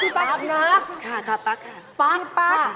พี่ปั๊กค่ะไม่ใช่ปอบค่ะพี่ปั๊กค่ะพี่ปั๊ก